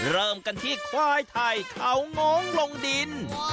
เริ่มกันที่ควายไทยเขาง้องลงดิน